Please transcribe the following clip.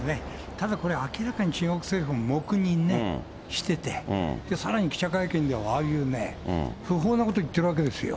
ただこれ、明らかに中国政府は黙認してて、さらに記者会見では、ああいうね、不法なこと言ってるわけですよ。